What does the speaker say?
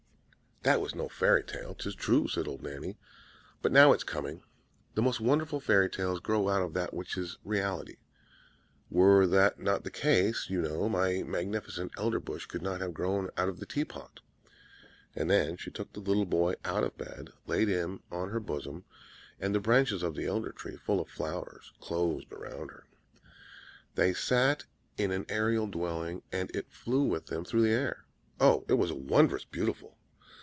"That was no fairy tale, 'tis true," said old Nanny; "but now it's coming. The most wonderful fairy tales grow out of that which is reality; were that not the case, you know, my magnificent Elderbush could not have grown out of the tea pot." And then she took the little boy out of bed, laid him on her bosom, and the branches of the Elder Tree, full of flowers, closed around her. They sat in an aerial dwelling, and it flew with them through the air. Oh, it was wondrous beautiful!